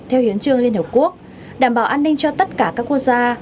theo hiến trương liên hợp quốc đảm bảo an ninh cho tất cả các quốc gia